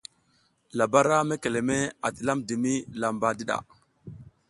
Labara mekeme a tilamdimi lamba ndiɗa.